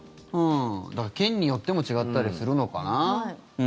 だから、県によっても違ったりするのかな。